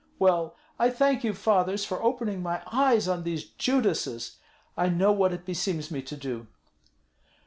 Well, I thank you, fathers, for opening my eyes on these Judases. I know what it beseems me to do."